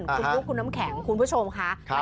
คุณบุ๊คคุณน้ำแข็งคุณผู้ชมค่ะ